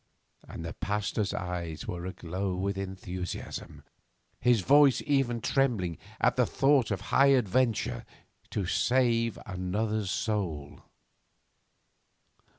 And the Pasteur's eyes were aglow with enthusiasm, his voice even trembling at the thought of high adventure to save another's soul.